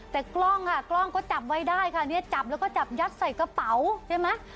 แต่กล้องค่ะกล้องก็จับไว้ได้ค่ะเนี่ยจับแล้วก็จับยัดใส่กระเป๋าใช่ไหม